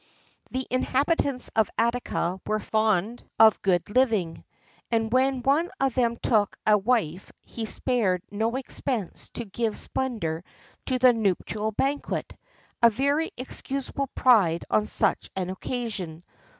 The inhabitants of Attica were fond of good living; and when one of them took a wife he spared no expense to give splendour to the nuptial banquet a very excusable pride on such an occasion.